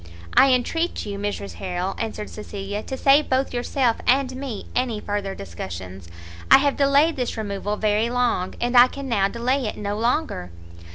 "I entreat you, Mrs Harrel," answered Cecilia, "to save both yourself and me any further discussions. I have delayed this removal very long, and I can now delay it no longer."